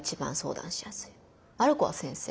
ある子は先生。